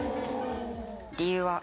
理由は？